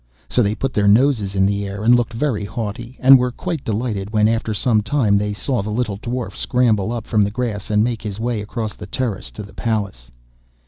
So they put their noses in the air, and looked very haughty, and were quite delighted when after some time they saw the little Dwarf scramble up from the grass, and make his way across the terrace to the palace.